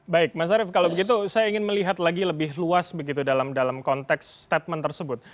baik mas arief kalau begitu saya ingin melihat lagi lebih luas begitu dalam konteks statement tersebut